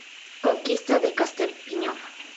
Conquista de Castell-Piñón.